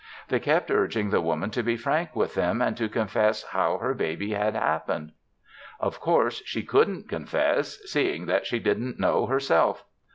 They kept urging the Woman to be frank with them and to confess how her baby had happened. Of course she couldn't confess, seeing that she didn't know herself.